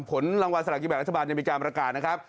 ผลรางวัลสละกินแบบรัฐบาลยังมีการประกาศนะครับ